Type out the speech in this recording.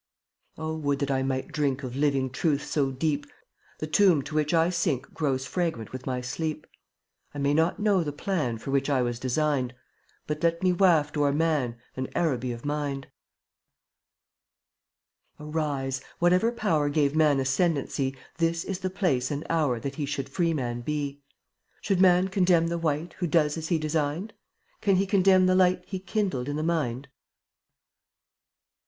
26 Oh, would that I might drink Of living truth so deep, The tomb to which I sink Grows fragrant with my sleep. I may not know the plan For which I was designed, But let me waft o'er man An Araby of mind. 27 Arise ! Whatever power Gave man ascendency, This is the place and hour That he should freeman be. Should man condemn the wight Who does as he designed? Can He condemn the light He kindled in the mind?